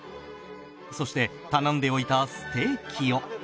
そして頼んでおいたステーキを